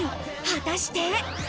果たして。